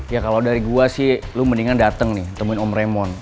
ya kalo dari gue sih lu mendingan dateng nih temuin om raymond